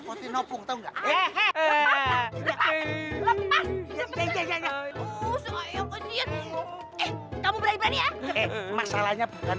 aduh aduh aduh